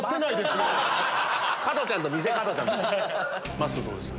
まっすーどうです？